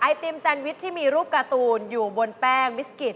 ติมแซนวิชที่มีรูปการ์ตูนอยู่บนแป้งมิสกิต